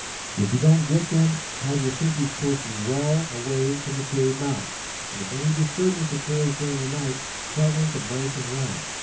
If you don't get them, have your sentries posted well away from the cave mouth, and if any disturbance occurs during the night, tell them to break and run.